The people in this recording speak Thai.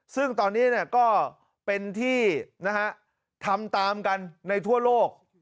ซึ่งตอนนี้ก็เป็นที่ทำตามกันในทั่วโลก